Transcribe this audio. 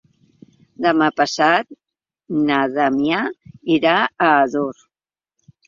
Demà passat na Damià irà a Ador.